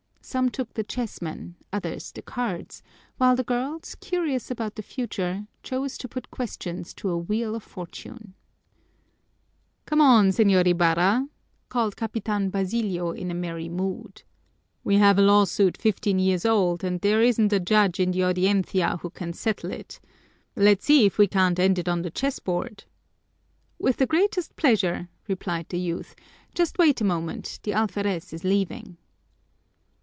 Some took the chessmen, others the cards, while the girls, curious about the future, chose to put questions to a Wheel of Fortune. "Come, Señor Ibarra," called Capitan Basilio in merry mood, "we have a lawsuit fifteen years old, and there isn't a judge in the Audiencia who can settle it. Let's see if we can't end it on the chess board." "With the greatest pleasure," replied the youth. "Just wait a moment, the alferez is leaving."